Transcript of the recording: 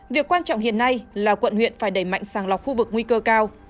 việc quan trọng hiện nay là quận huyện phải đẩy mạnh sàng lọc khu vực nguy cơ cao